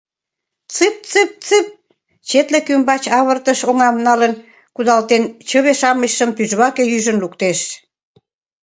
— Цып-цып-цып, — четлык ӱмбач авыртыш оҥам налын кудалтен, чыве-шамычшым тӱжваке ӱжын луктеш.